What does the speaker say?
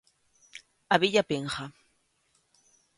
A billa pinga